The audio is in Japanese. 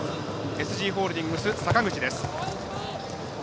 ＳＧホールディングス、阪口です。